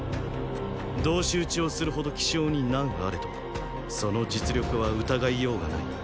同士討ちをするほど気性に難あれどその実力は疑いようがない。